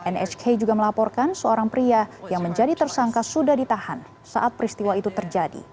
nhk juga melaporkan seorang pria yang menjadi tersangka sudah ditahan saat peristiwa itu terjadi